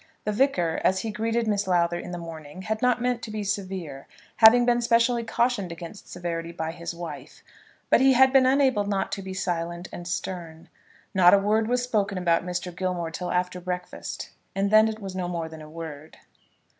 The Vicar, as he greeted Miss Lowther in the morning, had not meant to be severe, having been specially cautioned against severity by his wife; but he had been unable not to be silent and stern. Not a word was spoken about Mr. Gilmore till after breakfast, and then it was no more than a word.